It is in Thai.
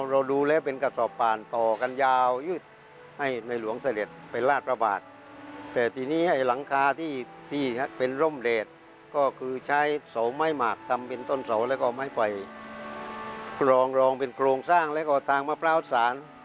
รองเป็นโครงสร้างและก็ทางมาพราวสาร